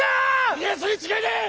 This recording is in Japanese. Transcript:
家康に違いねえ！